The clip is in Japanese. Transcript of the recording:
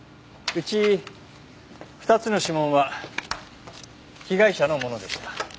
うち２つの指紋は被害者のものでした。